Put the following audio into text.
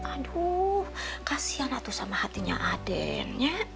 aduh kasihan tuh sama hatinya aden